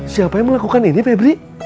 siapa yang melakukan ini febri